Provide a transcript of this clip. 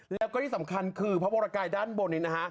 แล้วก็ที่สำคัญคือพระบริกายส์ด้านบนนี้